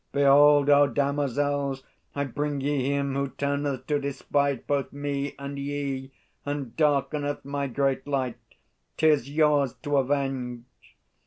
"Behold, O damosels, I bring ye him who turneth to despite Both me and ye, and darkeneth my great Light. 'Tis yours to avenge!"